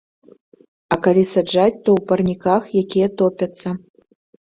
А калі саджаць, то ў парніках, якія топяцца.